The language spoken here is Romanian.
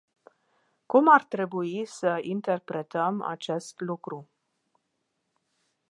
Cum ar trebui să interpretăm acest lucru?